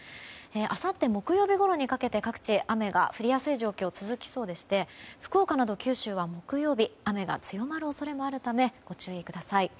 あさって木曜日ごろにかけて各地、雨が降りやすい状況が続きそうでして福岡など九州は木曜日に雨が強まる恐れもあるためご注意ください。